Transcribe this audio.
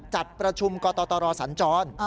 จัดประชุมกตรสัญจร